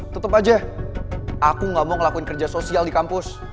tetap aja aku gak mau ngelakuin kerja sosial di kampus